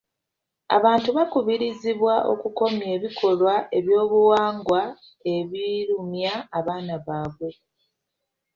Abantu bakubirizibwa okukomya ebikolwa byobuwangwa ebirumya abaana baabwe.